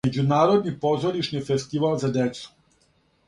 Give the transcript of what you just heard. Међународни позоришни фестивал за децу.